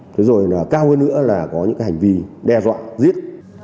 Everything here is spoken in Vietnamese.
thế rồi là cao hơn nữa là có những cái hành vi đe dọa giết